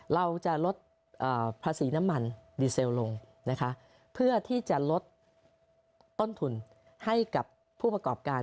เราจะลดภาษีน้ำมันดีเซลลงนะคะเพื่อที่จะลดต้นทุนให้กับผู้ประกอบการ